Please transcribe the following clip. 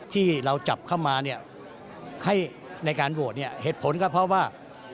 ที่เราจับเข้ามาให้ในการโหวตเหตุผลก็เพราะว่า